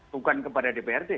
bukan kepada dprd